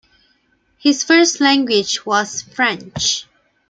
His first language was French.